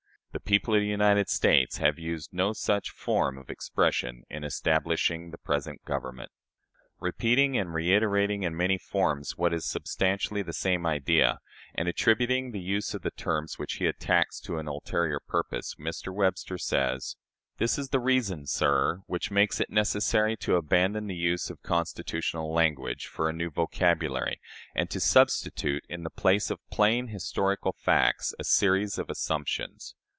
The people of the United States have used no such form of expression in establishing the present Government." Repeating and reiterating in many forms what is substantially the same idea, and attributing the use of the terms which he attacks to an ulterior purpose, Mr. Webster says: "This is the reason, sir, which makes it necessary to abandon the use of constitutional language for a new vocabulary, and to substitute, in the place of plain, historical facts, a series of assumptions.